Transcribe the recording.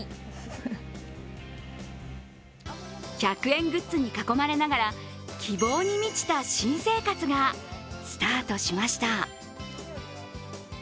１００円グッズに囲まれながら、希望に満ちた新生活がスタートしました。